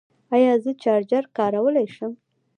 ایا زه چارجر کارولی شم؟